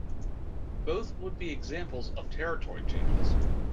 Both would be examples of territory changes.